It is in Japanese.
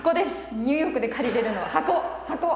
ニューヨークで借りられるのは箱、箱！